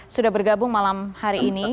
sudah bergabung malam hari ini